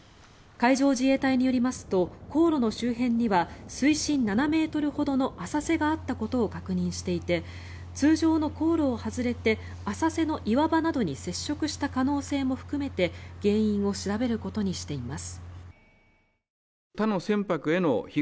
海上自衛隊によりますと航路の周辺には推進７ｍほどの浅瀬があったことを確認していて通常の航路を外れて浅瀬の岩場などに接触した可能性も含めて原因を調べることにしています。